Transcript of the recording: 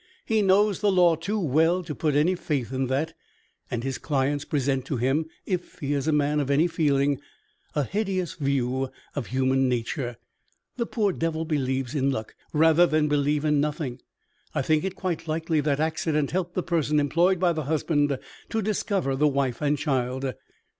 He knows the law too well to put any faith in that: and his clients present to him (if he is a man of any feeling) a hideous view of human nature. The poor devil believes in luck rather than believe in nothing. I think it quite likely that accident helped the person employed by the husband to discover the wife and child.